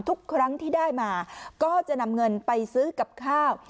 ทุกครั้งที่ได้มาก็จะนำเงินไปซื้อกับข้าว